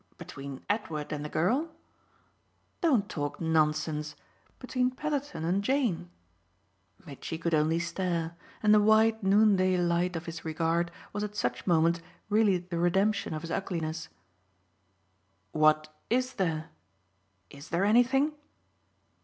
"Between Edward and the girl?" "Don't talk nonsense. Between Petherton and Jane." Mitchy could only stare, and the wide noonday light of his regard was at such moments really the redemption of his ugliness. "What 'is' there? Is there anything?"